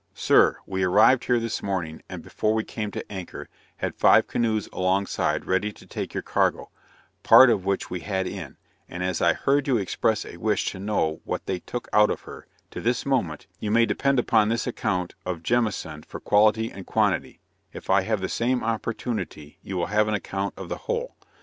Sir, We arrived here this morning, and before we came to anchor, had five canoes alongside ready to take your cargo, part of which we had in; and as I heard you express a wish to know what they took out of her, to this moment, you may depend upon this account of Jamieson for quality and quantity; if I have the same opportunity you will have an account of the whole.